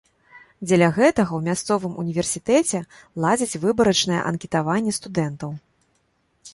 Дзеля гэтага ў мясцовым універсітэце ладзяць выбарачнае анкетаванне студэнтаў.